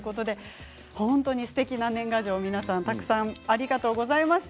すてきな年賀状皆さんたくさんありがとうございました。